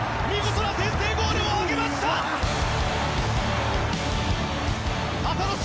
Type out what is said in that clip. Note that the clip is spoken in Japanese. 見事な先制ゴールを挙げました！